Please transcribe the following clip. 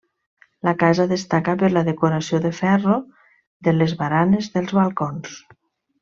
La casa destaca per la decoració de ferro de les baranes dels balcons.